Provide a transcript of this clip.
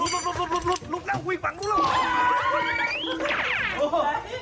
รถรวงลุดลุดลงวิ่งฟังของรุช